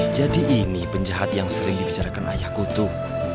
jadi ini penjahat yang sering dibicarakan ayahku tuh